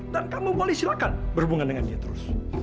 dan kamu boleh silakan berhubungan dengan dia terus